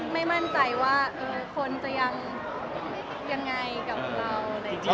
ไม่มั่นใจว่าคนจะยังยังไงกับเรา